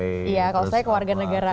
iya kalau saya keluarga negara